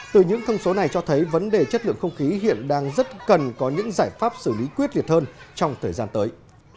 từ những thông số này cho thấy vấn đề chất lượng không khí hiện đang rất cần có những giải pháp xử lý quyết liệt hơn trong thời gian tới